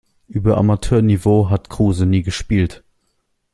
Über Amateurniveau hat Kruse nie gespielt.